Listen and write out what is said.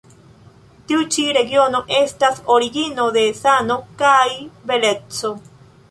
Tiu ĉi regiono estas origino de sano kaj beleco.